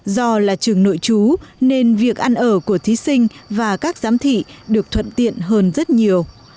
do là trường nội trú nên việc ăn ở của thí sinh và các giám thị được thuận tiện hơn rất nhiều